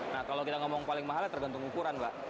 nah kalau kita ngomong paling mahalnya tergantung ukuran mbak